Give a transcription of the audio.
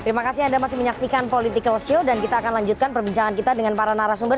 terima kasih anda masih menyaksikan political show dan kita akan lanjutkan perbincangan kita dengan para narasumber